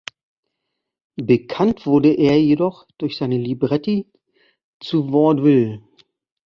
Bekannt wurde er jedoch durch seine Libretti zu Vaudevilles.